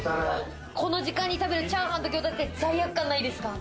この時間に食べるチャーハンと餃子って罪悪感ないですか？